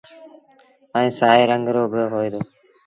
ائيٚݩ سآئي رنگ رو با هوئي دو۔